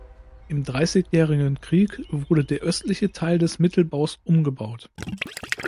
Im Dreissigjährigen Krieg wurde der östliche Teil des Mittelbaus umgebaut.